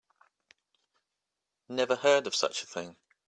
Never heard of such a thing.